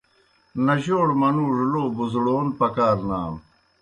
نجوڑہ منُوڙوْ لو بُزڑَون پکار نانوْ۔